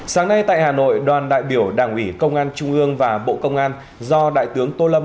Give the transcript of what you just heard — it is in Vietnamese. sáng nay tại hà nội đoàn đại biểu đảng ủy công an trung ương và bộ công an do đại tướng tô lâm